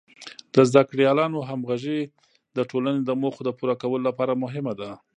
د زده کړیالانو همغږي د ټولنې د موخو د پوره کولو لپاره مهمه ده.